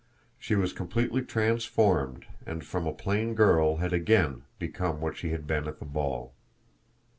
She was completely transformed and from a plain girl had again become what she had been at the ball.